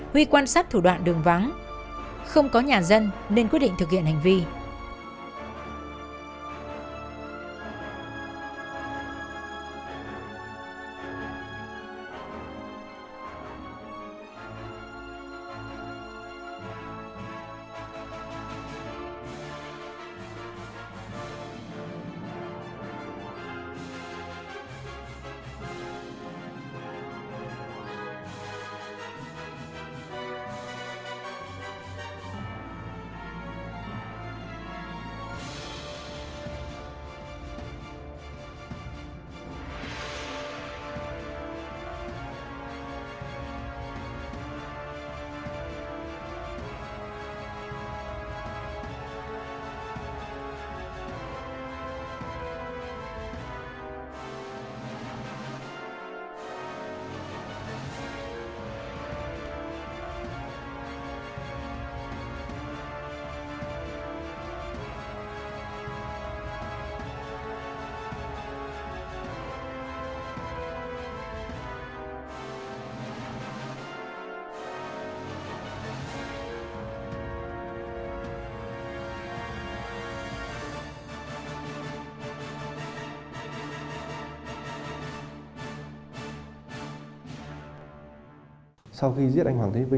huy quan sát thủ đoạn đường vắng không có nhà dân nên quyết định thực hiện hành vi